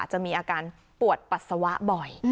จะมีอาการปวดปัสสาวะบ่อย